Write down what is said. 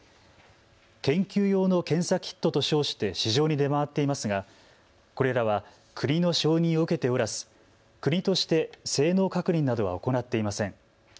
研究用の検査キットと称して市場に出回っていますがこれらは国の承認を受けておらず国として性能確認などは行っていません。